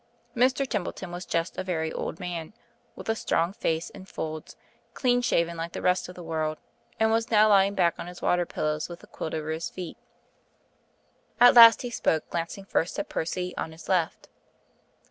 Mr. Templeton was just a very old man, with a strong face in folds, clean shaven like the rest of the world, and was now lying back on his water pillows with the quilt over his feet. At last he spoke, glancing first at Percy, on his left.